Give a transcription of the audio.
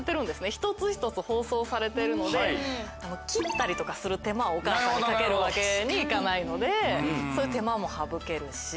一つ一つ包装されてるので切ったりとかする手間をお母さんにかけるわけにいかないのでそういう手間も省けるし。